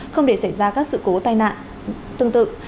không để xảy ra các sự cố tai nạn tương tự